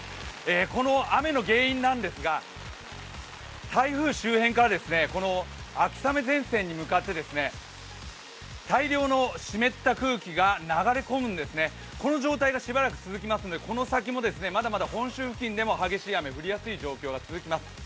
この雨の原因なんですが、台風周辺から秋雨前線に向かって大量の湿った空気が流れ込んでこの状態がしばらく続きますのでこの先もまだまだ本州付近でも激しい雨が降りやすい状況になります。